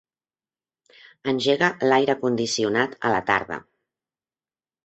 Engega l'aire condicionat a la tarda.